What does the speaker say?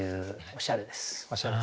おしゃれです。